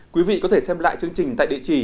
quý vị có thể xem lại chương trình tại địa chỉ